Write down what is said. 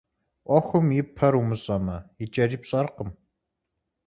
Ӏуэхум и пэр умыщӀэмэ, и кӀэри пщӀэркъым.